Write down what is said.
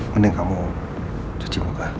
mending kamu cuci muka